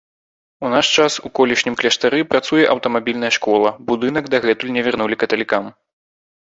У наш час у колішнім кляштары працуе аўтамабільная школа, будынак дагэтуль не вярнулі каталікам.